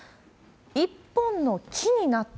１本の木になった。